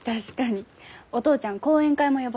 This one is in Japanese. お父ちゃん講演会も呼ばれるもんね。